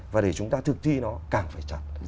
và để chúng ta thực thi nó càng phải chặt